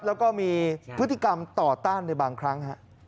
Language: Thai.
แล้วก็มีพฤติกรรมต่อต้านในบางครั้ง